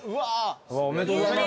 おめでとうございます。